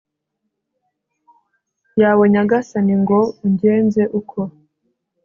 yawe nyagasani ngo ungenze uko